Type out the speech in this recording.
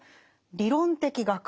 「理論的学」